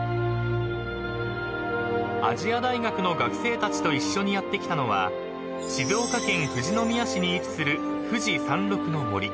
［亜細亜大学の学生たちと一緒にやって来たのは静岡県富士宮市に位置する富士山麓の森］